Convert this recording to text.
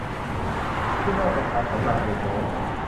ซึ่งนอกจากพานขันหมากเอกแล้ว